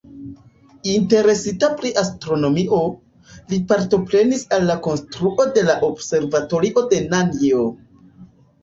Interesita pri astronomio, li partoprenis al la konstruo de la observatorio de Nan'jo.